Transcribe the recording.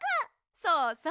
そうそう！